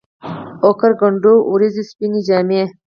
اوکر کنډو ، وریځو سپيني جامې